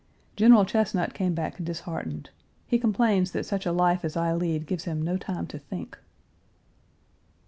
General Chesnut came back disheartened. He complains that such a life as I lead gives him no time to think.